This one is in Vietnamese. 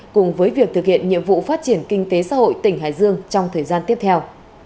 cùng với việc thực hiện nhiệm vụ phát triển kinh tế xã hội tỉnh hải dương trong thời gian tiếp theo